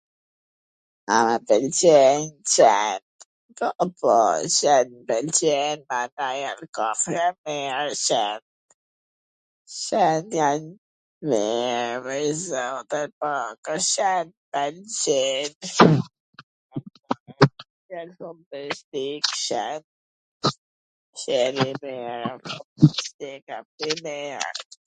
A m pwlqejn Cent? po, po, Cent m pwlqejn ... ata jan kafsh e mir, Cent... Cent jan t mir prej zotit, po, ...